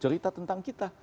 cerita tentang kita